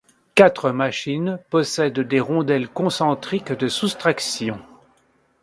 Quatre machines possèdent des rondelles concentriques de soustraction.